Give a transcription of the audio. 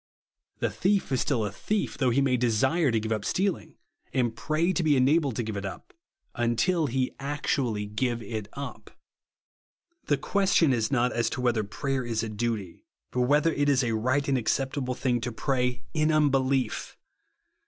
The thief is still a thief ; though he may desire to give up stealing, and pray to be enabled to give it up ; until he actually give it uj^. The question is not as to whether prayer is a duty ; but whether it is a right and acceptable thing to prayi'n unbelief.